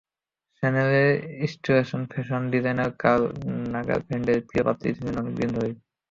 শ্যানেলে স্টুয়ার্টজার্মান fashion designer Karl লাগারফেল্ডের প্রিয় পাত্রী তিনি অনেক দিন ধরেই।